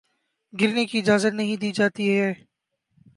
گرنے کی اجازت نہیں دی جاتی ہے